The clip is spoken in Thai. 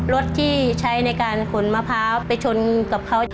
รถที่ใช้ในการขนมะพร้าวไปชนกับเขา